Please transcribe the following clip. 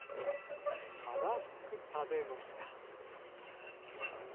たらふく食べました。